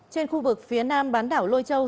trên khu vực phía nam bán đảo lôi châu